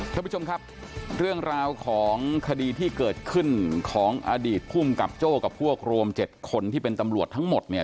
ท่านผู้ชมครับเรื่องราวของคดีที่เกิดขึ้นของอดีตภูมิกับโจ้กับพวกรวม๗คนที่เป็นตำรวจทั้งหมดเนี่ย